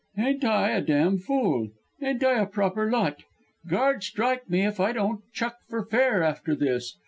"Ain't I a dam' fool? Ain't I a proper lot? Gard strike me if I don't chuck fer fair after this.